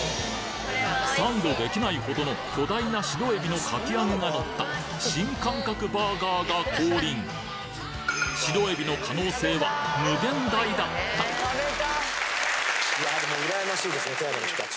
サンドできないほどの巨大な白えびのかき揚げがのった新感覚バーガーが降臨白えびの可能性は無限大だったいやでも羨ましいですね富山の人たち。